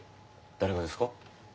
誰がですか？